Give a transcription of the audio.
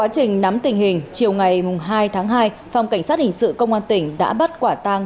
trình nắm tình hình chiều ngày hai tháng hai phòng cảnh sát hình sự công an tỉnh đã bắt quả tang